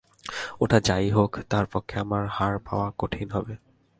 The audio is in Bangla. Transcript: ওটা যা-ই হোক, তার পক্ষে আমার হাড় পাওয়া কঠিন হবে।